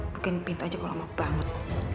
mungkin pintu aja gue lama banget